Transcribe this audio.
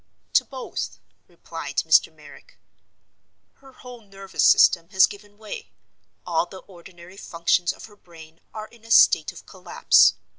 "To both," replied Mr. Merrick. "Her whole nervous system has given way; all the ordinary functions of her brain are in a state of collapse.